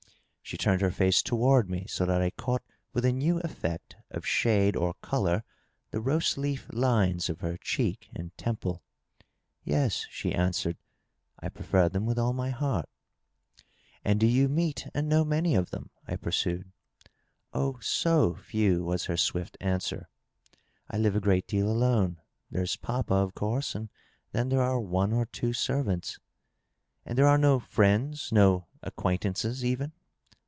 She turned her face toward me so that I caught with a new effect of shade or color the rose leaf lines of her cheek and temple. " Yes,'' she answered. " I prefer them with all my heart." DOUGLAS DUANE. 567 '* And do you meet and know many of them?' I porsued. ^' Oh, 8o few r^ was her swift answer. ^^ I live a great deal alone. There's papa, of course, and then there are one or two servants/' " And there are no friends, no acquaintances, even?''